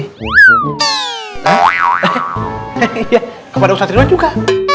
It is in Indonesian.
iya kepada ustadz triwan juga